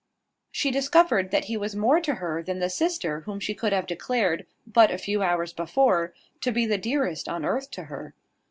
She discovered that he was more to her than the sister whom she could have declared, but a few hours before, to be the dearest on earth to her.